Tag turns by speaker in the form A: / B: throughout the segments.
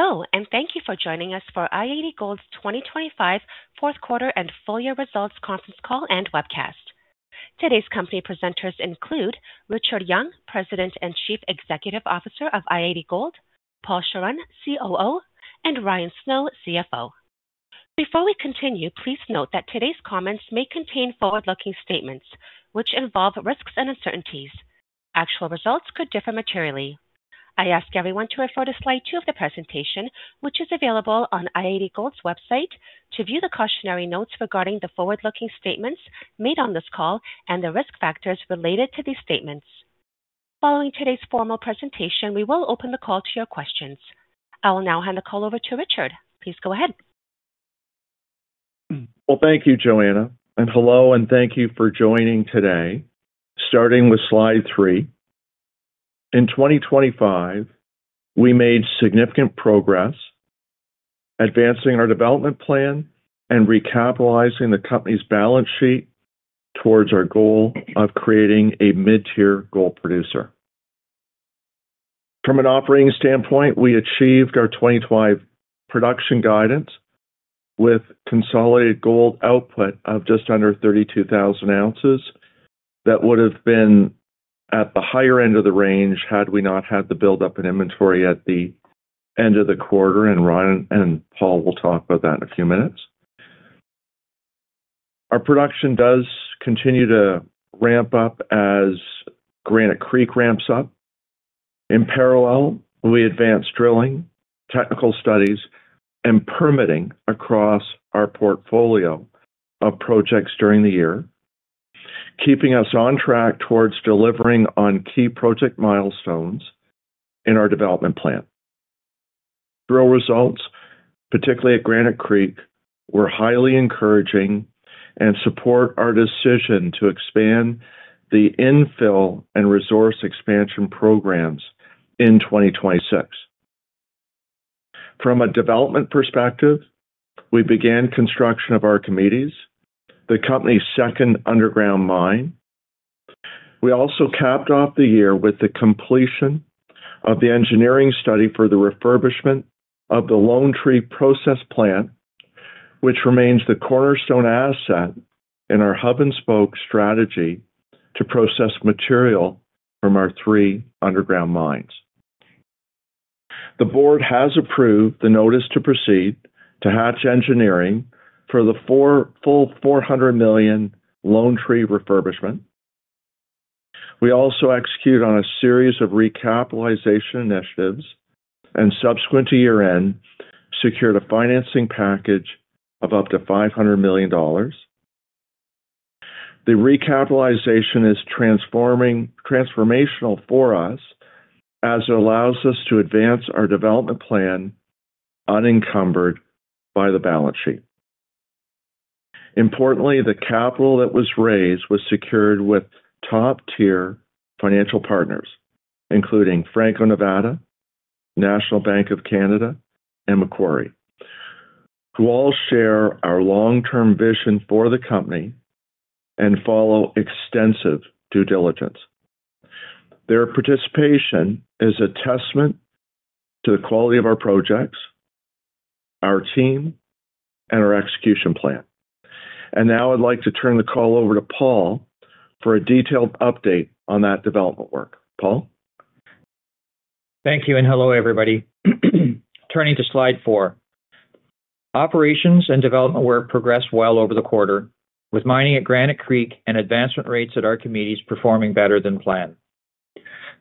A: Hello, and thank you for joining us for i-80 Gold's 2025 Fourth Quarter and Full Year Results Conference Call and Webcast. Today's company presenters include Richard Young, President and Chief Executive Officer of i-80 Gold, Paul Chawrun, COO, and Ryan Snow, CFO. Before we continue, please note that today's comments may contain forward-looking statements, which involve risks and uncertainties. Actual results could differ materially. I ask everyone to refer to slide two of the presentation, which is available on i-80 Gold's website, to view the cautionary notes regarding the forward-looking statements made on this call and the risk factors related to these statements. Following today's formal presentation, we will open the call to your questions. I will now hand the call over to Richard. Please go ahead.
B: Well, thank you, Joanna, and hello, and thank you for joining today. Starting with slide three. In 2025, we made significant progress advancing our development plan and recapitalizing the company's balance sheet towards our goal of creating a mid-tier gold producer. From an operating standpoint, we achieved our 2025 production guidance with consolidated gold output of just under 32,000 ounces. That would have been at the higher end of the range had we not had the buildup in inventory at the end of the quarter, and Ryan and Paul will talk about that in a few minutes. Our production does continue to ramp up as Granite Creek ramps up. In parallel, we advanced drilling, technical studies, and permitting across our portfolio of projects during the year, keeping us on track towards delivering on key project milestones in our development plan. Drill results, particularly at Granite Creek, were highly encouraging and support our decision to expand the infill and resource expansion programs in 2026. From a development perspective, we began construction of Archimedes, the company's second underground mine. We also capped off the year with the completion of the engineering study for the refurbishment of the Lone Tree process plant, which remains the cornerstone asset in our Hub and Spoke Strategy to process material from our three underground mines. The board has approved the notice to proceed to Hatch for the full $400 million Lone Tree refurbishment. We also execute on a series of recapitalization initiatives and subsequent to year-end, secured a financing package of up to $500 million. The recapitalization is transformational for us as it allows us to advance our development plan unencumbered by the balance sheet. Importantly, the capital that was raised was secured with top-tier financial partners, including Franco-Nevada, National Bank of Canada, and Macquarie, who all share our long-term vision for the company and follow extensive due diligence. Their participation is a testament to the quality of our projects, our team, and our execution plan. Now I'd like to turn the call over to Paul for a detailed update on that development work. Paul?
C: Thank you and hello, everybody. Turning to slide four. Operations and development work progressed well over the quarter, with mining at Granite Creek and advancement rates at Archimedes performing better than planned.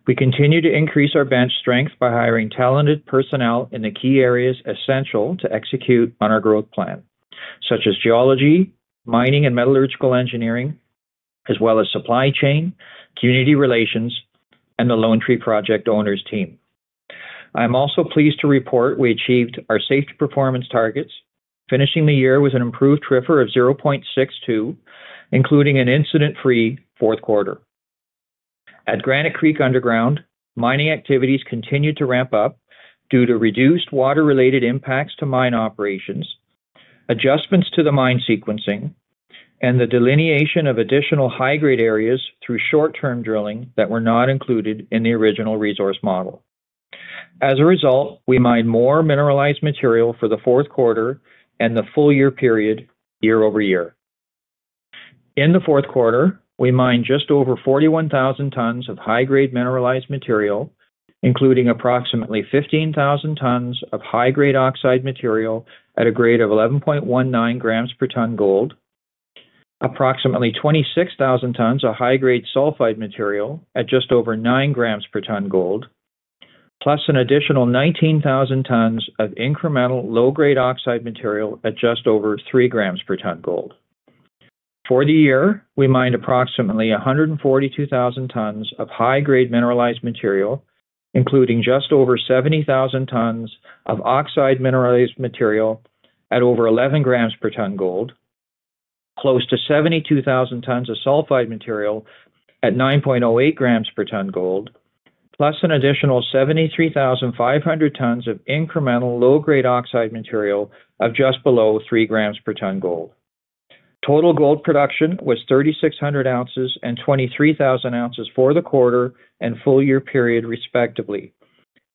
C: We continue to increase our bench strength by hiring talented personnel in the key areas essential to execute on our growth plan, such as geology, mining, and metallurgical engineering, as well as supply chain, community relations, and the Lone Tree Project owners team. I'm also pleased to report we achieved our safety performance targets, finishing the year with an improved TRIR of 0.62, including an incident-free fourth quarter. At Granite Creek Underground, mining activities continued to ramp up due to reduced water-related impacts to mine operations, adjustments to the mine sequencing, and the delineation of additional high-grade areas through short-term drilling that were not included in the original resource model. As a result, we mined more mineralized material for the fourth quarter and the full year period, year-over-year. In the fourth quarter, we mined just over 41,000 tons of high-grade mineralized material, including approximately 15,000 tons of high-grade oxide material at a grade of 11.19 grams per ton gold, approximately 26,000 tons of high-grade sulfide material at just over 9 grams per ton gold, plus an additional 19,000 tons of incremental low-grade oxide material at just over 3 grams per ton gold. For the year, we mined approximately 142,000 tons of high-grade mineralized material, including just over 70,000 tons of oxide mineralized material at over 11 grams per ton gold, close to 72,000 tons of sulfide material at 9.08 grams per ton gold, plus an additional 73,500 tons of incremental low-grade oxide material of just below 3 grams per ton gold. Total gold production was 3,600 ounces and 23,000 ounces for the quarter and full year period, respectively.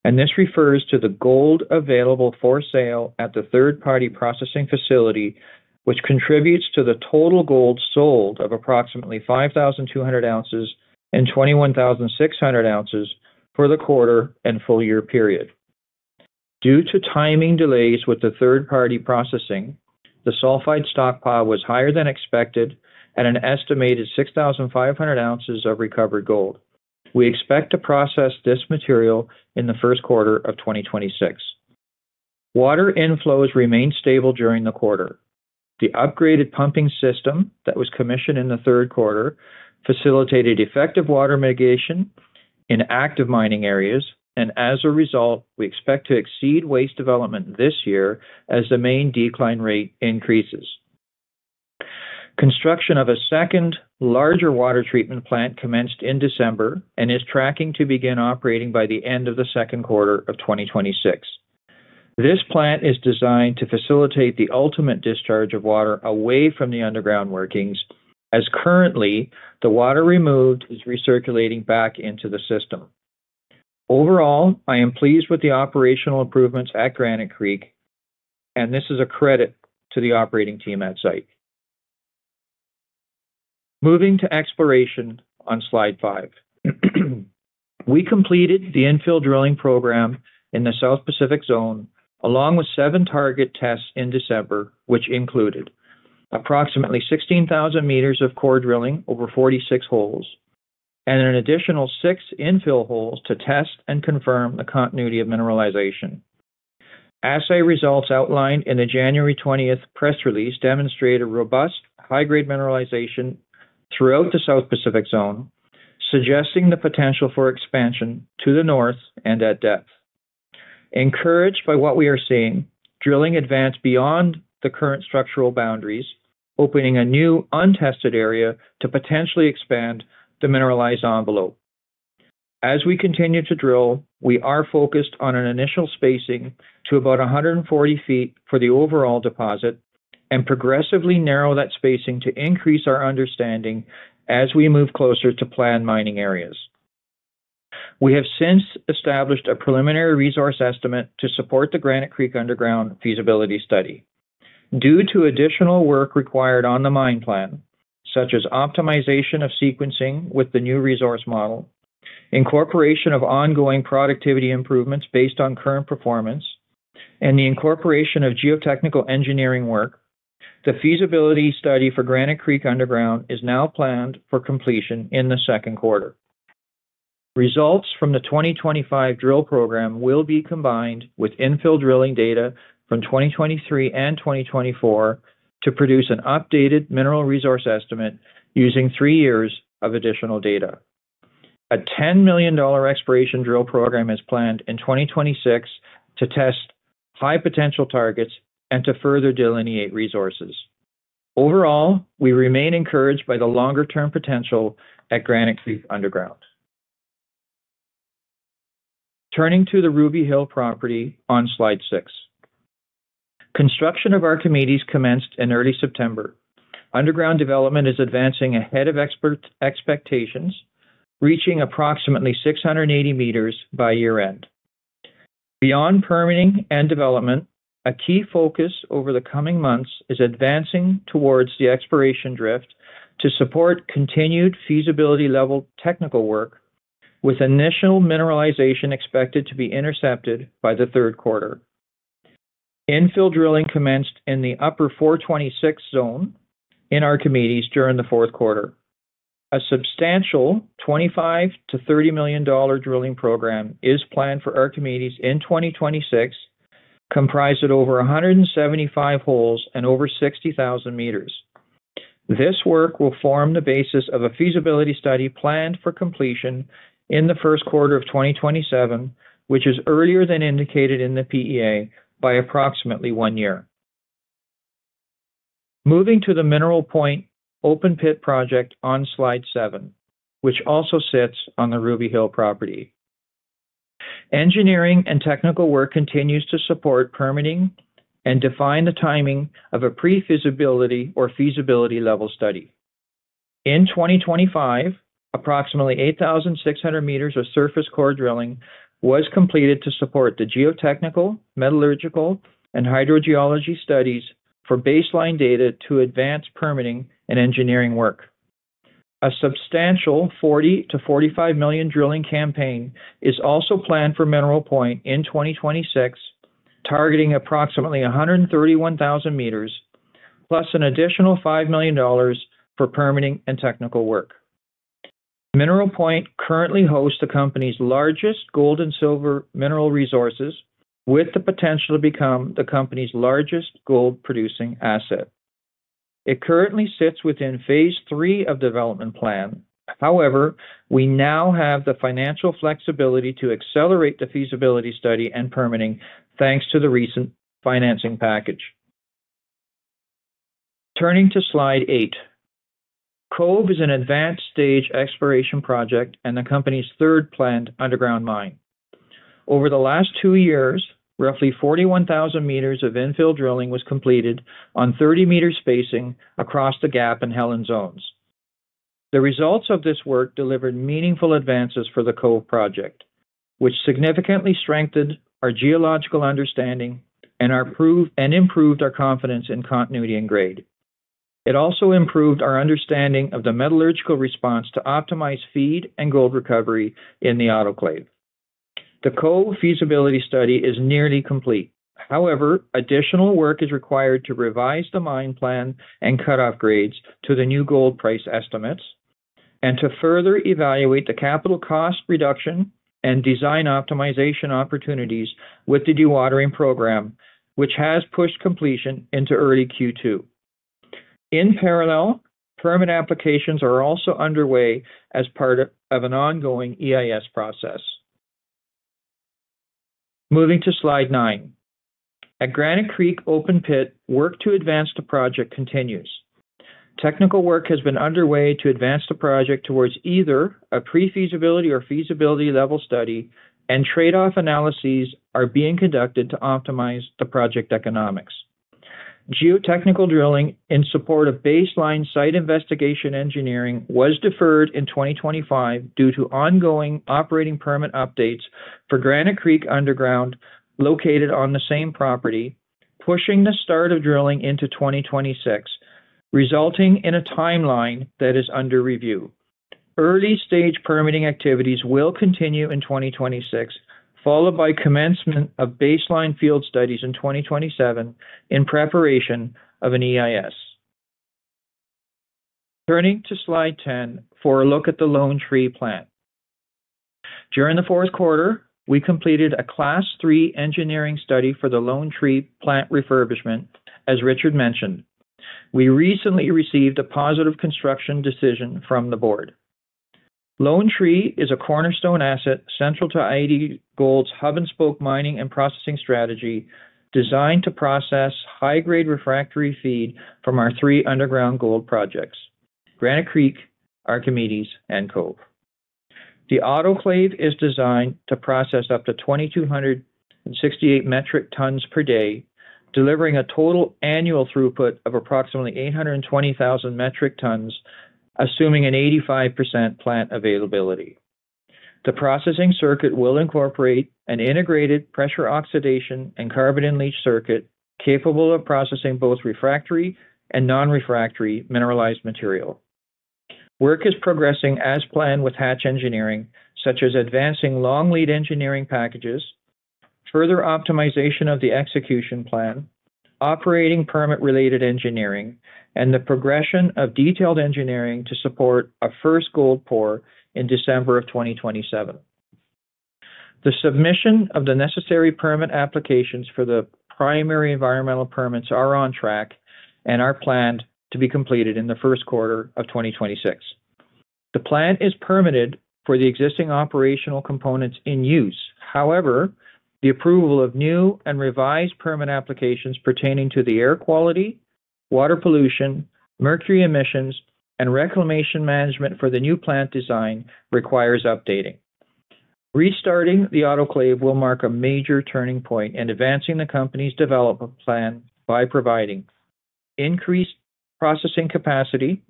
C: This refers to the gold available for sale at the third-party processing facility, which contributes to the total gold sold of approximately 5,200 ounces and 21,600 ounces for the quarter and full year period. Due to timing delays with the third-party processing, the sulfide stockpile was higher than expected at an estimated 6,500 ounces of recovered gold. We expect to process this material in the first quarter of 2026. Water inflows remained stable during the quarter. The upgraded pumping system that was commissioned in the third quarter facilitated effective water mitigation in active mining areas, and as a result, we expect to exceed waste development this year as the main decline rate increases. Construction of a second larger water treatment plant commenced in December and is tracking to begin operating by the end of the second quarter of 2026. This plant is designed to facilitate the ultimate discharge of water away from the underground workings, as currently, the water removed is recirculating back into the system. Overall, I am pleased with the operational improvements at Granite Creek, and this is a credit to the operating team on site. Moving to exploration on slide five. We completed the infill drilling program in the South Pacific Zone, along with seven target tests in December, which included approximately 16,000 meters of core drilling over 46 holes and an additional six infill holes to test and confirm the continuity of mineralization. Assay results outlined in the January 20 press release demonstrate a robust high-grade mineralization throughout the South Pacific Zone, suggesting the potential for expansion to the north and at depth. Encouraged by what we are seeing, drilling advanced beyond the current structural boundaries, opening a new, untested area to potentially expand the mineralized envelope. As we continue to drill, we are focused on an initial spacing to about 140 feet for the overall deposit and progressively narrow that spacing to increase our understanding as we move closer to planned mining areas. We have since established a preliminary resource estimate to support the Granite Creek Underground feasibility study. Due to additional work required on the mine plan, such as optimization of sequencing with the new resource model, incorporation of ongoing productivity improvements based on current performance, and the incorporation of geotechnical engineering work, the feasibility study for Granite Creek Underground is now planned for completion in the second quarter. Results from the 2025 drill program will be combined with infill drilling data from 2023 and 2024 to produce an updated mineral resource estimate using three years of additional data. A $10 million exploration drill program is planned in 2026 to test high-potential targets and to further delineate resources. Overall, we remain encouraged by the longer-term potential at Granite Creek Underground. Turning to the Ruby Hill property on slide six. Construction of Archimedes commenced in early September. Underground development is advancing ahead of expectations, reaching approximately 680 meters by year-end. Beyond permitting and development, a key focus over the coming months is advancing towards the exploration drift to support continued feasibility level technical work, with initial mineralization expected to be intercepted by the third quarter. Infill drilling commenced in the Upper 426 Zone in Archimedes during the fourth quarter. A substantial $25 million-$30 million drilling program is planned for Archimedes in 2026, comprised of over 175 holes and over 60,000 meters. This work will form the basis of a feasibility study planned for completion in the first quarter of 2027, which is earlier than indicated in the PEA by approximately one year. Moving to the Mineral Point open pit project on slide seven, which also sits on the Ruby Hill property. Engineering and technical work continues to support permitting and define the timing of a pre-feasibility or feasibility level study. In 2025, approximately 8,600 meters of surface core drilling was completed to support the geotechnical, metallurgical, and hydrogeology studies for baseline data to advance permitting and engineering work. A substantial $40 million-$45 million drilling campaign is also planned for Mineral Point in 2026, targeting approximately 131,000 meters, plus an additional $5 million for permitting and technical work. Mineral Point currently hosts the company's largest gold and silver mineral resources, with the potential to become the company's largest gold-producing asset. It currently sits within phase three of development plan. However, we now have the financial flexibility to accelerate the feasibility study and permitting, thanks to the recent financing package. Turning to slide eight. Cove is an advanced-stage exploration project and the company's 3rd planned underground mine. Over the last two years, roughly 41,000 meters of infill drilling was completed on 30-meter spacing across the Gap and Helen zones. The results of this work delivered meaningful advances for the Cove project, which significantly strengthened our geological understanding and our proven and improved our confidence in continuity and grade. It also improved our understanding of the metallurgical response to optimize feed and gold recovery in the autoclave. The Cove feasibility study is nearly complete. However, additional work is required to revise the mine plan and cut off grades to the new gold price estimates, and to further evaluate the capital cost reduction and design optimization opportunities with the dewatering program, which has pushed completion into early Q2. In parallel, permit applications are also underway as part of an ongoing EIS process. Moving to slide nine. At Granite Creek Open Pit, work to advance the project continues. Technical work has been underway to advance the project toward either a pre-feasibility or feasibility level study, and trade-off analyses are being conducted to optimize the project economics. Geotechnical drilling in support of baseline site investigation engineering was deferred in 2025 due to ongoing operating permit updates for Granite Creek Underground, located on the same property, pushing the start of drilling into 2026, resulting in a timeline that is under review. Early-stage permitting activities will continue in 2026, followed by commencement of baseline field studies in 2027 in preparation of an EIS. Turning to slide 10 for a look at the Lone Tree plant. During the fourth quarter, we completed a Class 3 engineering study for the Lone Tree plant refurbishment, as Richard mentioned. We recently received a positive construction decision from the board. Lone Tree is a cornerstone asset central to i-80 Gold's hub and spoke mining and processing strategy, designed to process high-grade refractory feed from our three underground gold projects: Granite Creek, Archimedes, and Cove. The autoclave is designed to process up to 2,268 metric tons per day, delivering a total annual throughput of approximately 820,000 metric tons, assuming an 85% plant availability. The processing circuit will incorporate an integrated pressure oxidation and carbon in leach circuit, capable of processing both refractory and non-refractory mineralized material. Work is progressing as planned with Hatch engineering, such as advancing long lead engineering packages, further optimization of the execution plan, operating permit-related engineering, and the progression of detailed engineering to support a first gold pour in December 2027. The submission of the necessary permit applications for the primary environmental permits are on track and are planned to be completed in the first quarter of 2026. The plant is permitted for the existing operational components in use. However, the approval of new and revised permit applications pertaining to the air quality, water pollution, mercury emissions, and reclamation management for the new plant design requires updating. Restarting the autoclave will mark a major turning point in advancing the company's development plan by providing increased processing capacity,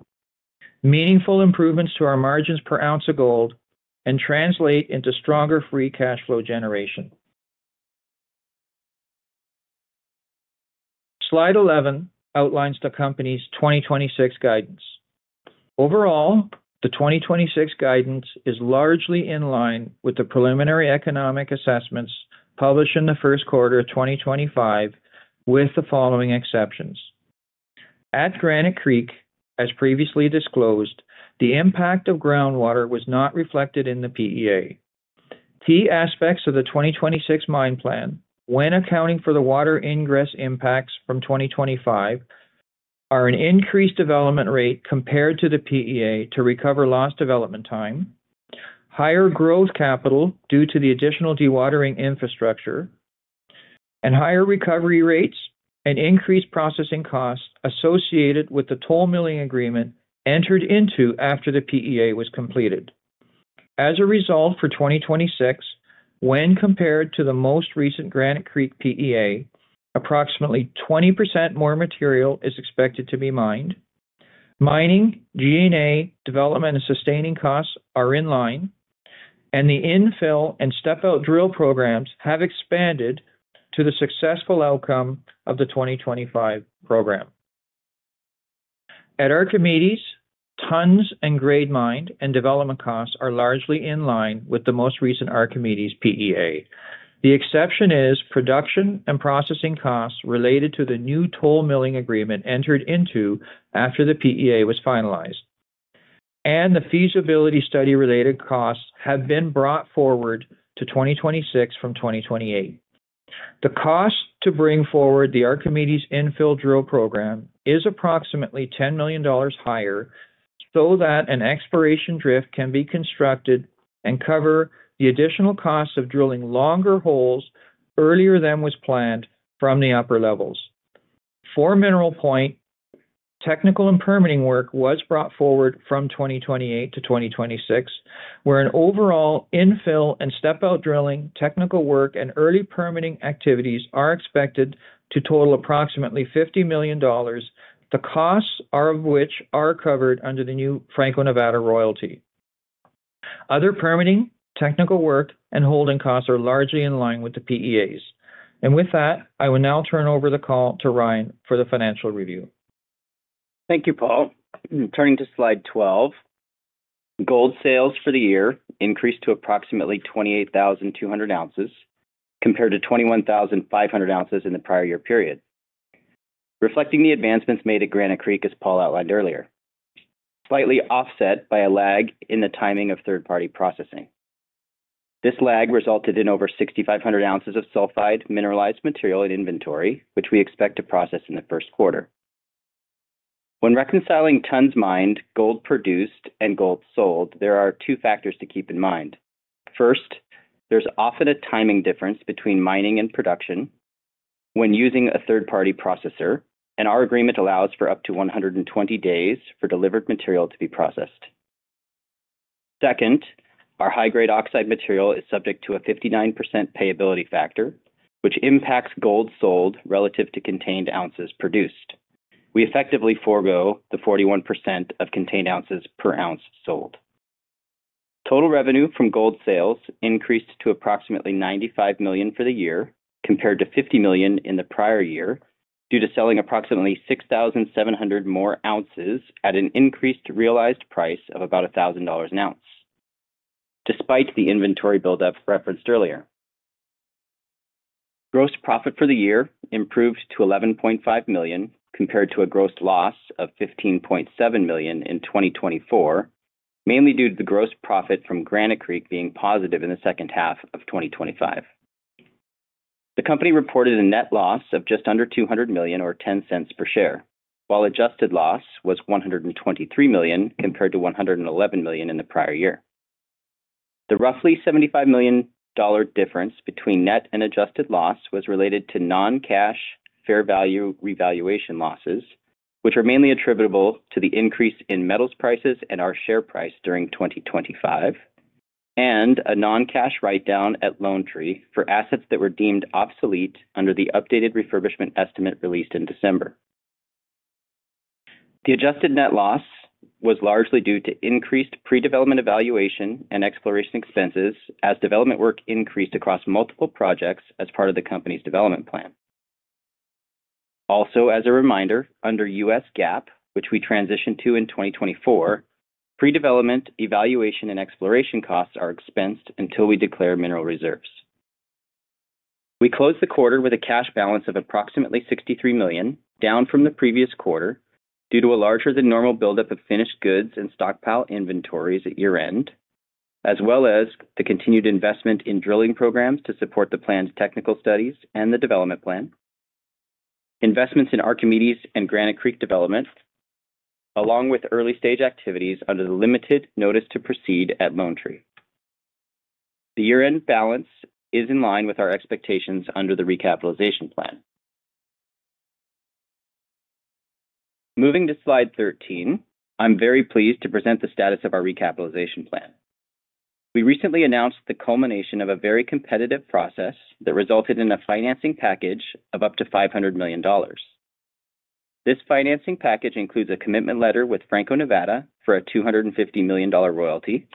C: meaningful improvements to our margins per ounce of gold, and translate into stronger free cash flow generation. Slide 11 outlines the company's 2026 guidance. Overall, the 2026 guidance is largely in line with the preliminary economic assessments published in the first quarter of 2025, with the following exceptions. At Granite Creek, as previously disclosed, the impact of groundwater was not reflected in the PEA. Key aspects of the 2026 mine plan, when accounting for the water ingress impacts from 2025, are an increased development rate compared to the PEA to recover lost development time, higher growth capital due to the additional dewatering infrastructure, and higher recovery rates and increased processing costs associated with the toll milling agreement entered into after the PEA was completed. As a result, for 2026, when compared to the most recent Granite Creek PEA, approximately 20% more material is expected to be mined. Mining, G&A, development, and sustaining costs are in line, and the infill and step-out drill programs have expanded to the successful outcome of the 2025 program. At Archimedes, tons and grade mined and development costs are largely in line with the most recent Archimedes PEA. The exception is production and processing costs related to the new toll milling agreement entered into after the PEA was finalized, and the feasibility study-related costs have been brought forward to 2026 from 2028. The cost to bring forward the Archimedes infill drill program is approximately $10 million higher, so that an exploration drift can be constructed and cover the additional costs of drilling longer holes earlier than was planned from the upper levels. For Mineral Point, technical and permitting work was brought forward from 2028 to 2026, where an overall infill and step-out drilling, technical work, and early permitting activities are expected to total approximately $50 million, the costs of which are covered under the new Franco-Nevada royalty. Other permitting, technical work, and holding costs are largely in line with the PEAs. And with that, I will now turn over the call to Ryan for the financial review.
D: Thank you, Paul. Turning to slide 12, gold sales for the year increased to approximately 28,200 ounces, compared to 21,500 ounces in the prior year period. Reflecting the advancements made at Granite Creek, as Paul outlined earlier, slightly offset by a lag in the timing of third-party processing. This lag resulted in over 6,500 ounces of sulfide mineralized material in inventory, which we expect to process in the first quarter. When reconciling tons mined, gold produced, and gold sold, there are two factors to keep in mind. First, there's often a timing difference between mining and production when using a third-party processor, and our agreement allows for up to 120 days for delivered material to be processed. Second, our high-grade oxide material is subject to a 59% payability factor, which impacts gold sold relative to contained ounces produced. We effectively forego the 41% of contained ounces per ounce sold. Total revenue from gold sales increased to approximately $95 million for the year, compared to $50 million in the prior year, due to selling approximately 6,700 more ounces at an increased realized price of about $1,000 an ounce, despite the inventory buildup referenced earlier. Gross profit for the year improved to $11.5 million, compared to a gross loss of $15.7 million in 2024, mainly due to the gross profit from Granite Creek being positive in the second half of 2025. The company reported a net loss of just under $200 million or $0.10 per share, while adjusted loss was $123 million, compared to $111 million in the prior year. The roughly $75 million difference between net and adjusted loss was related to non-cash fair value revaluation losses, which are mainly attributable to the increase in metals prices and our share price during 2025, and a non-cash write-down at Lone Tree for assets that were deemed obsolete under the updated refurbishment estimate released in December. The adjusted net loss was largely due to increased pre-development evaluation and exploration expenses as development work increased across multiple projects as part of the company's development plan. Also, as a reminder, under U.S. GAAP, which we transitioned to in 2024, pre-development, evaluation, and exploration costs are expensed until we declare mineral reserves. We closed the quarter with a cash balance of approximately $63 million, down from the previous quarter due to a larger than normal buildup of finished goods and stockpile inventories at year-end, as well as the continued investment in drilling programs to support the planned technical studies and the development plan, investments in Archimedes and Granite Creek developments, along with early-stage activities under the limited notice to proceed at Lone Tree. The year-end balance is in line with our expectations under the recapitalization plan. Moving to slide 13, I'm very pleased to present the status of our recapitalization plan. We recently announced the culmination of a very competitive process that resulted in a financing package of up to $500 million. This financing package includes a commitment letter with Franco-Nevada for a $250 million royalty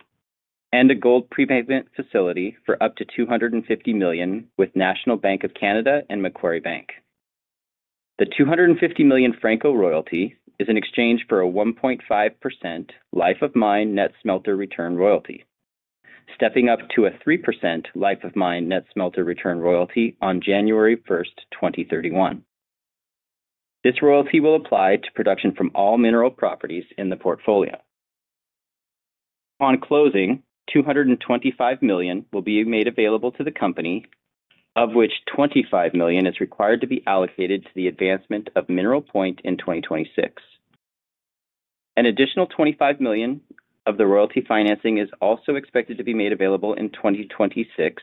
D: and a gold prepayment facility for up to $250 million with National Bank of Canada and Macquarie Bank. The $250 million Franco royalty is in exchange for a 1.5% life of mine net smelter return royalty, stepping up to a 3% life of mine net smelter return royalty on January 1st, 2031. This royalty will apply to production from all mineral properties in the portfolio. On closing, $225 million will be made available to the company, of which $25 million is required to be allocated to the advancement of Mineral Point in 2026. An additional $25 million of the royalty financing is also expected to be made available in 2026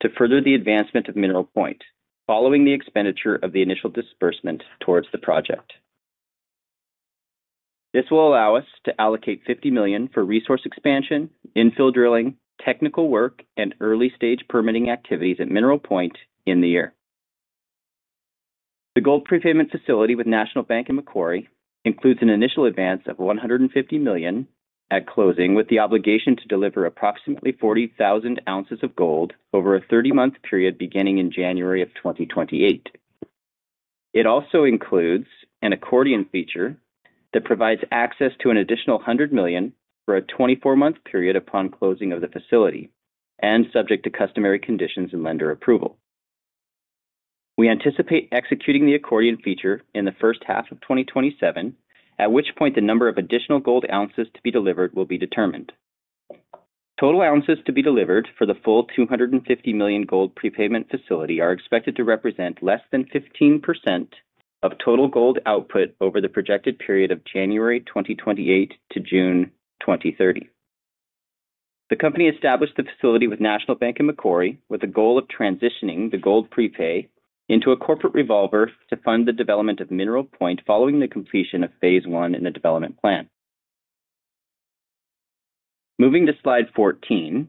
D: to further the advancement of Mineral Point, following the expenditure of the initial disbursement towards the project. This will allow us to allocate $50 million for resource expansion, infill drilling, technical work, and early-stage permitting activities at Mineral Point in the year. The gold prepayment facility with National Bank and Macquarie includes an initial advance of $150 million at closing, with the obligation to deliver approximately 40,000 ounces of gold over a 30-month period beginning in January of 2028. It also includes an accordion feature that provides access to an additional $100 million for a 24-month period upon closing of the facility, and subject to customary conditions and lender approval. We anticipate executing the accordion feature in the first half of 2027, at which point the number of additional gold ounces to be delivered will be determined. Total ounces to be delivered for the full $250 million gold prepayment facility are expected to represent less than 15% of total gold output over the projected period of January 2028 to June 2030.... The company established the facility with National Bank and Macquarie, with a goal of transitioning the gold prepay into a corporate revolver to fund the development of Mineral Point, following the completion of phase one in the development plan. Moving to slide 14,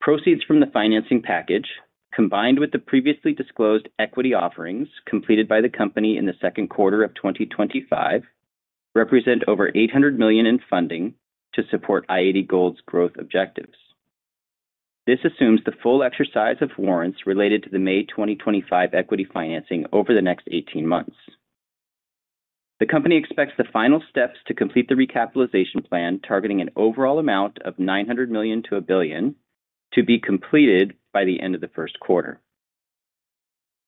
D: proceeds from the financing package, combined with the previously disclosed equity offerings completed by the company in the second quarter of 2025, represent over $800 million in funding to support i-80 Gold's growth objectives. This assumes the full exercise of warrants related to the May 2025 equity financing over the next 18 months. The company expects the final steps to complete the recapitalization plan, targeting an overall amount of $900 million-$1 billion, to be completed by the end of the first quarter.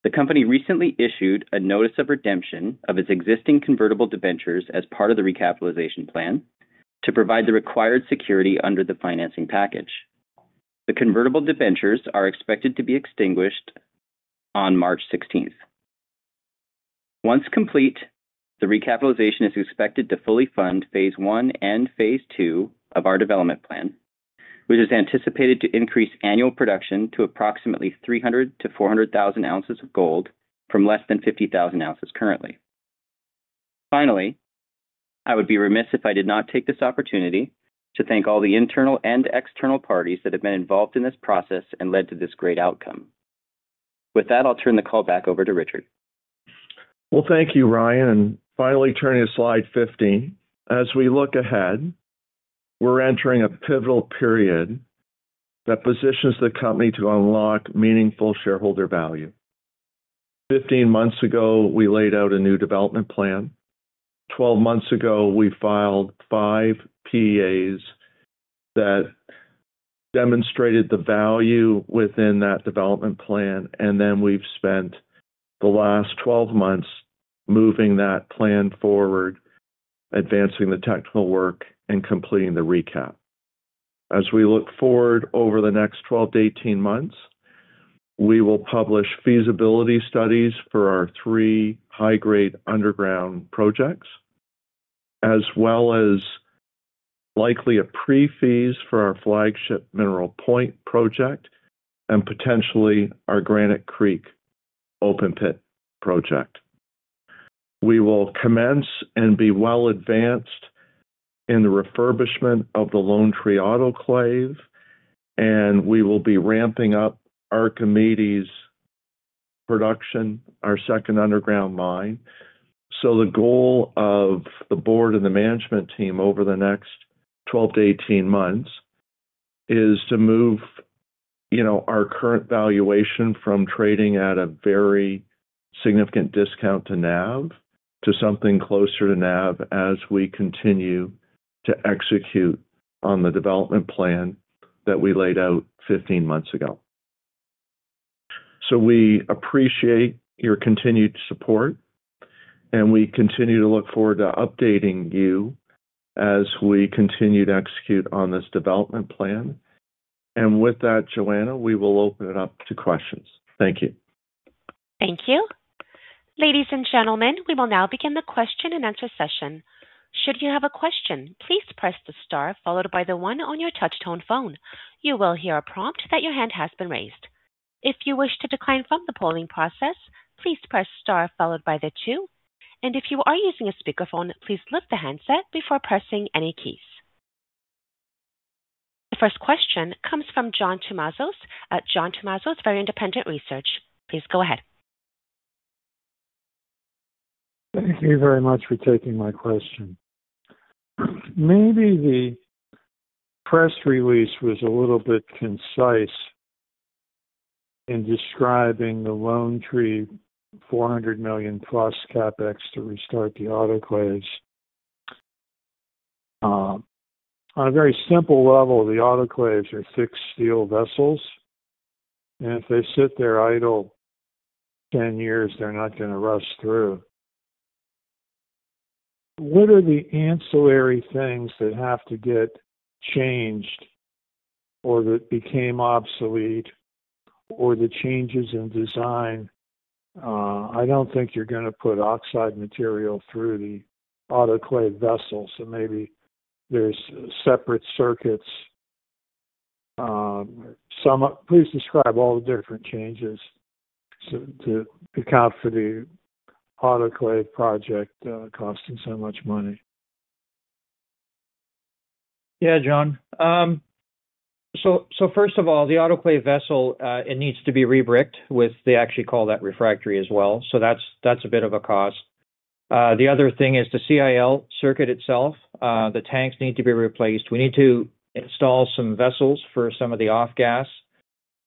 D: The company recently issued a notice of redemption of its existing convertible debentures as part of the recapitalization plan, to provide the required security under the financing package. The convertible debentures are expected to be extinguished on March 16th. Once complete, the recapitalization is expected to fully fund phase one and phase two of our development plan, which is anticipated to increase annual production to approximately 300,000-400,000 ounces of gold from less than 50,000 ounces currently. Finally, I would be remiss if I did not take this opportunity to thank all the internal and external parties that have been involved in this process and led to this great outcome. With that, I'll turn the call back over to Richard.
B: Well, thank you, Ryan. Finally, turning to slide 15. As we look ahead, we're entering a pivotal period that positions the company to unlock meaningful shareholder value. 15 months ago, we laid out a new development plan. 12 months ago, we filed five PEAs that demonstrated the value within that development plan, and then we've spent the last 12 months moving that plan forward, advancing the technical work and completing the recap. As we look forward over the next 12-18 months, we will publish feasibility studies for our 3 high-grade underground projects, as well as likely a PFS for our flagship Mineral Point project and potentially our Granite Creek open pit project. We will commence and be well advanced in the refurbishment of the Lone Tree autoclave, and we will be ramping up our Granite Creek's production, our second underground mine. So the goal of the board and the management team over the next 12-18 months is to move, you know, our current valuation from trading at a very significant discount to NAV, to something closer to NAV, as we continue to execute on the development plan that we laid out 15 months ago. So we appreciate your continued support, and we continue to look forward to updating you as we continue to execute on this development plan. And with that, Joanna, we will open it up to questions. Thank you.
A: Thank you. Ladies and gentlemen, we will now begin the question and answer session. Should you have a question, please press the star followed by the one on your touch tone phone. You will hear a prompt that your hand has been raised. If you wish to decline from the polling process, please press star followed by the two, and if you are using a speakerphone, please lift the handset before pressing any keys. The first question comes from John Tumazos at John Tumazos Very Independent Research. Please go ahead.
E: Thank you very much for taking my question. Maybe the press release was a little bit concise in describing the Lone Tree, $400 million+ CapEx to restart the autoclaves. On a very simple level, the autoclaves are thick steel vessels, and if they sit there idle 10 years, they're not gonna rust through. What are the ancillary things that have to get changed or that became obsolete, or the changes in design? I don't think you're gonna put oxide material through the autoclave vessel, so maybe there's separate circuits. Please describe all the different changes to account for the autoclave project costing so much money.
D: Yeah, John. So first of all, the autoclave vessel, it needs to be rebricked with, they actually call that refractory as well. So that's a bit of a cost. The other thing is the CIL circuit itself. The tanks need to be replaced. We need to install some vessels for some of the off gas.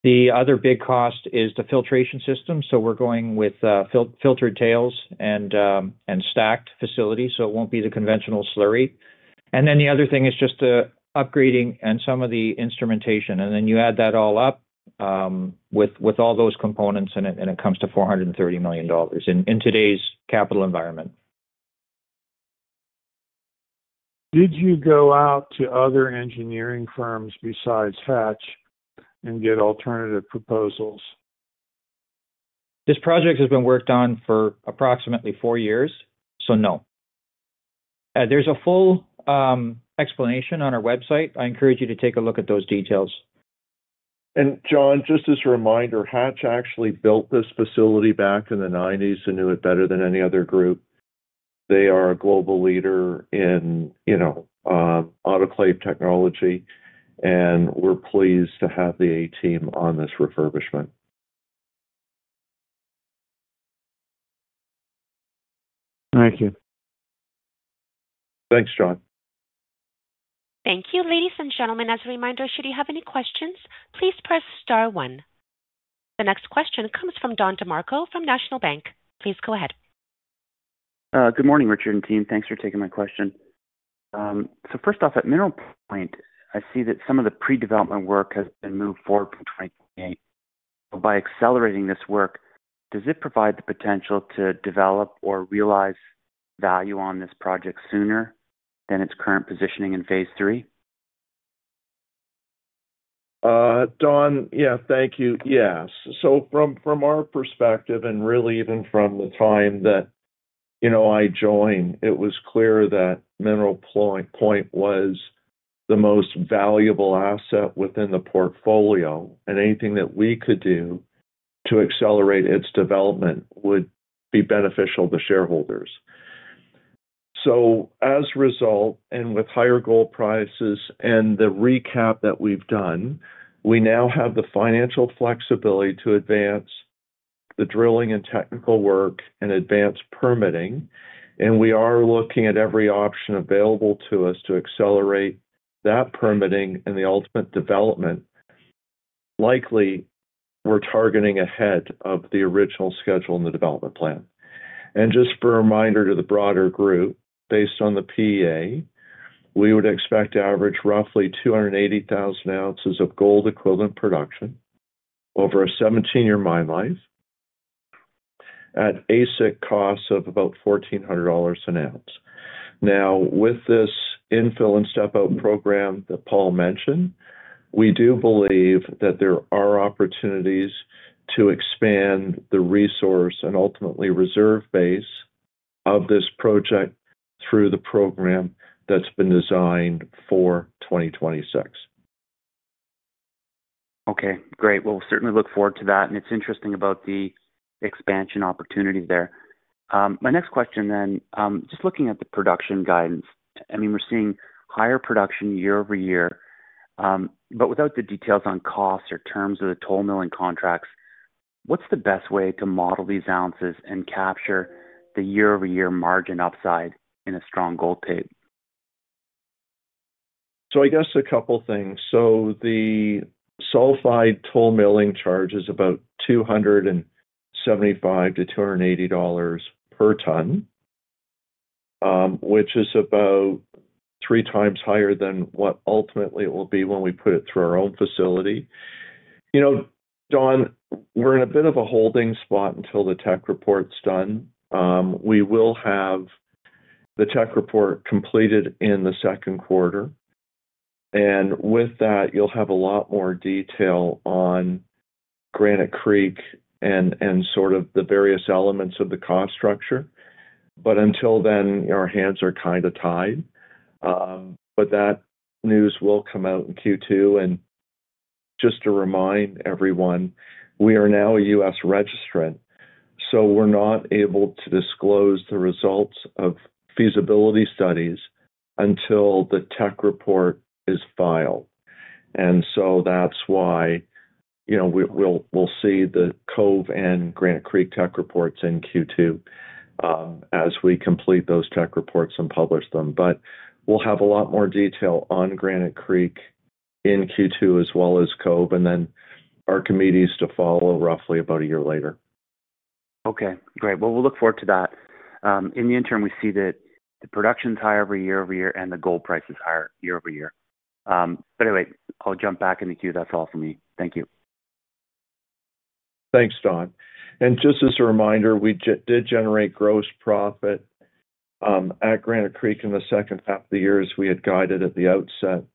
D: The other big cost is the filtration system, so we're going with filtered tails and stacked facilities, so it won't be the conventional slurry. And then the other thing is just the upgrading and some of the instrumentation, and then you add that all up, with all those components in it, and it comes to $430 million in today's capital environment.
E: Did you go out to other engineering firms besides Hatch and get alternative proposals?
D: ...This project has been worked on for approximately four years, so no. There's a full explanation on our website. I encourage you to take a look at those details.
B: John, just as a reminder, Hatch actually built this facility back in the 1990s and knew it better than any other group. They are a global leader in, you know, autoclave technology, and we're pleased to have the A team on this refurbishment.
E: Thank you.
B: Thanks, John.
A: Thank you. Ladies and gentlemen, as a reminder, should you have any questions, please press star one. The next question comes from Don DeMarco from National Bank. Please go ahead.
F: Good morning, Richard and team. Thanks for taking my question. So first off, at Mineral Point, I see that some of the pre-development work has been moved forward from 2028. By accelerating this work, does it provide the potential to develop or realize value on this project sooner than its current positioning in phase three?
B: Don, yeah, thank you. Yes. So from our perspective, and really even from the time that, you know, I joined, it was clear that Mineral Point was the most valuable asset within the portfolio, and anything that we could do to accelerate its development would be beneficial to shareholders. So as a result, and with higher gold prices and the recap that we've done, we now have the financial flexibility to advance the drilling and technical work and advance permitting, and we are looking at every option available to us to accelerate that permitting and the ultimate development. Likely, we're targeting ahead of the original schedule in the development plan. Just for a reminder to the broader group, based on the PEA, we would expect to average roughly 280,000 ounces of gold equivalent production over a 17-year mine life at AISC costs of about $1,400 an ounce. Now, with this infill and step-out program that Paul mentioned, we do believe that there are opportunities to expand the resource and ultimately reserve base of this project through the program that's been designed for 2026.
F: Okay, great. We'll certainly look forward to that, and it's interesting about the expansion opportunity there. My next question then, just looking at the production guidance, I mean, we're seeing higher production year-over-year, but without the details on costs or terms of the toll milling contracts, what's the best way to model these ounces and capture the year-over-year margin upside in a strong gold tape?
B: So I guess a couple things. The sulfide toll milling charge is about $275-$280 per ton, which is about three times higher than what ultimately it will be when we put it through our own facility. You know, Don, we're in a bit of a holding spot until the tech report's done. We will have the tech report completed in the second quarter, and with that, you'll have a lot more detail on Granite Creek and sort of the various elements of the cost structure. But until then, our hands are kinda tied. But that news will come out in Q2. And just to remind everyone, we are now a U.S. registrant, so we're not able to disclose the results of feasibility studies until the tech report is filed. And so that's why, you know, we'll see the Cove and Granite Creek tech reports in Q2, as we complete those tech reports and publish them. But we'll have a lot more detail on Granite Creek in Q2 as well as Cove, and then Archimedes to follow, roughly about a year later.
F: Okay, great. Well, we'll look forward to that. In the interim, we see that the production's higher year-over-year, and the gold price is higher year-over-year. But anyway, I'll jump back in the queue. That's all for me. Thank you.
B: Thanks, Don. And just as a reminder, we did generate gross profit at Granite Creek in the second half of the year, as we had guided at the outset.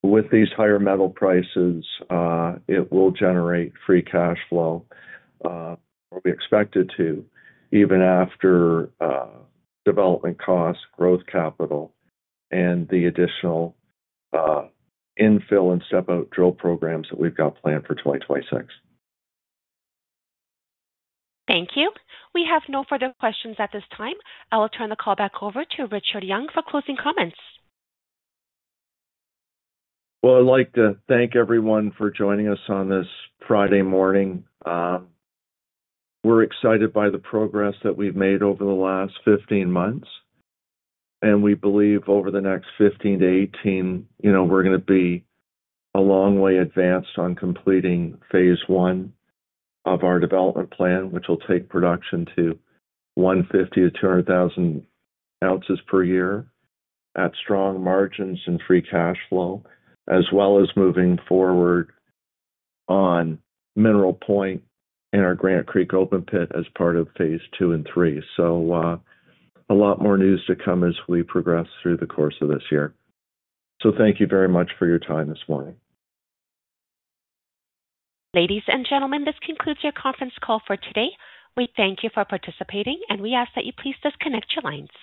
B: With these higher metal prices, it will generate free cash flow or be expected to, even after development costs, growth capital, and the additional infill and step-out drill programs that we've got planned for 2026.
A: Thank you. We have no further questions at this time. I will turn the call back over to Richard Young for closing comments.
B: Well, I'd like to thank everyone for joining us on this Friday morning. We're excited by the progress that we've made over the last 15 months, and we believe over the next 15-18, you know, we're gonna be a long way advanced on completing phase one of our development plan, which will take production to 150-200 thousand ounces per year at strong margins and free cash flow, as well as moving forward on Mineral Point and our Granite Creek Open Pit as part of phase two and three. A lot more news to come as we progress through the course of this year. Thank you very much for your time this morning.
A: Ladies and gentlemen, this concludes your conference call for today. We thank you for participating, and we ask that you please disconnect your lines.